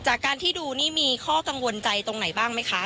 จากการที่ดูนี่มีข้อกังวลใจตรงไหนบ้างไหมคะ